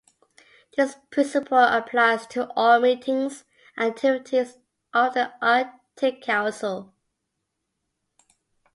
This principle applies to all meetings and activities of the Arctic Council.